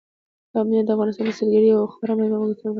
بامیان د افغانستان د سیلګرۍ یوه خورا مهمه او ګټوره برخه ده.